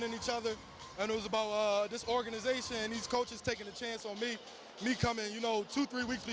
dan tentang organisasi ini dan kocen ini yang mengambil kesempatan untuk saya